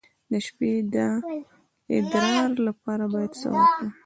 د شپې د ادرار لپاره باید څه وکړم؟